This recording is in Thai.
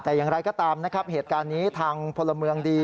แต่อย่างไรก็ตามนะครับเหตุการณ์นี้ทางพลเมืองดี